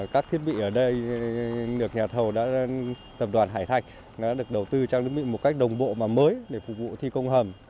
các thiết bị ở đây được nhà thầu tập đoàn hải thạch đầu tư trong một cách đồng bộ mới để phục vụ thi công hầm